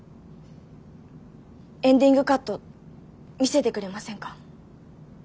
エンディングカット見せてくれませんか？